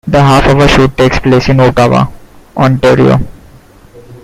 The half-hour show takes place in Ottawa, Ontario.